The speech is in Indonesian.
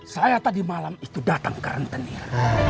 saya tadi malam itu datang ke karantonia